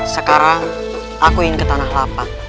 sekarang aku ingin ke tanah lapak